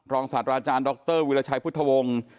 รองศาสตร์ดรวีรชัยพุทธวงศ์